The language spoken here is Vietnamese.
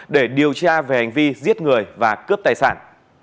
để điều tra về hành vi giết người và cướp tài sản